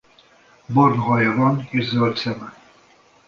Barna haja van és zöld szeme.